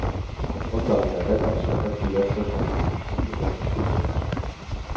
El pont de la Cabreta ha sofert diverses reconstruccions i transformacions.